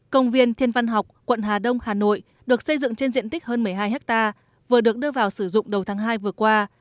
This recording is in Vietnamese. công viên thiên văn học quận hà đông hà nội được xây dựng trên diện tích hơn một mươi hai hectare vừa được đưa vào sử dụng đầu tháng hai vừa qua